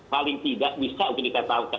paling tidak bisa dikatakan